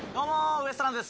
ウエストランドです。